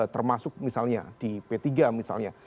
termasuk misalnya di p tiga misalnya